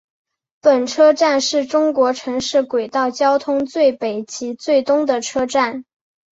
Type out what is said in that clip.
本车站是中国城市轨道交通最北及最东的车站。